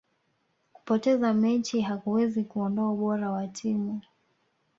kupoteza mechi hakuwezi kuondoa ubora wa timu